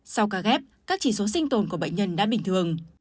sau ca ghép các chỉ số sinh tồn của bệnh nhân đã bình thường